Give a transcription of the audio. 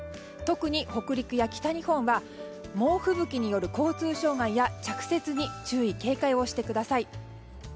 特に北陸や北日本は猛吹雪による交通障害や着雪に注意・警戒をしてください。